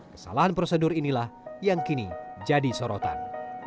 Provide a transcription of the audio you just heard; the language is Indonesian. kesalahan prosedur inilah yang kini jadi sorotan